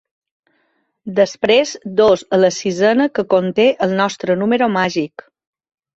Després dos a la sisena que conté el nostre número màgic.